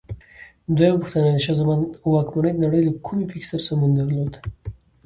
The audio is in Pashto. دویمه پوښتنه: د شاه زمان واکمنۍ د نړۍ له کومې پېښې سره سمون درلود؟